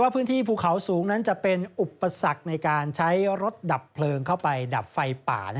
พื้นที่ภูเขาสูงนั้นจะเป็นอุปสรรคในการใช้รถดับเพลิงเข้าไปดับไฟป่า